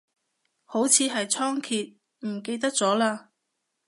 好似係倉頡，唔記得咗嘞